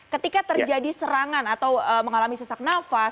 ketika terjadi serangan atau mengalami sesak nafas